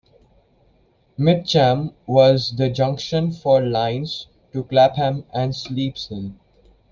Mitcham was the junction for lines to Clapham and Sleeps Hill.